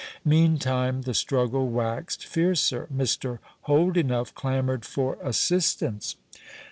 Meantime the struggle waxed fiercer; Mr. Holdenough clamoured for assistance.